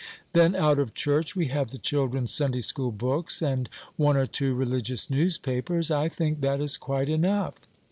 Then out of church we have the children's Sunday school books, and one or two religious newspapers. I think that is quite enough."